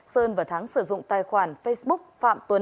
sơn và thắng sử dụng tài khoản facebook phạm tuấn